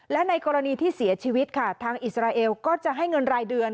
และในกรณีที่เสียชีวิตค่ะทางอิสราเอลก็จะให้เงินรายเดือน